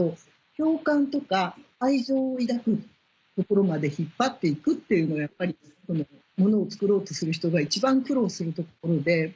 共感とか愛情を抱くところまで引っ張って行くっていうのはやっぱりものを作ろうとする人が一番苦労するところで。